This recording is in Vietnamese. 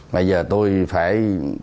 bây giờ tôi phải